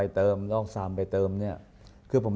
อเรนนี่แหละอเรนนี่แหละ